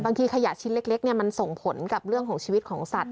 ขยะชิ้นเล็กมันส่งผลกับเรื่องของชีวิตของสัตว